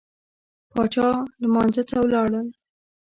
پاچا لمانځه ته ولاړل.